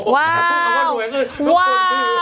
ว้าวว้าวแหละ